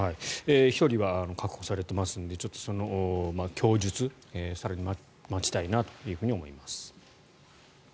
１人は確保されていますので、供述を更に待ちたいなと思います。